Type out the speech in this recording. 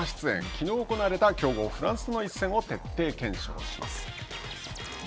きのう行われた強豪フランスの一戦を徹底検証します。